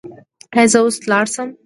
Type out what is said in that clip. ایا زه اوس لاړ شم؟